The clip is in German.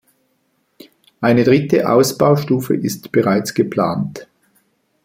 Eine dritte Ausbaustufe ist bereits geplant.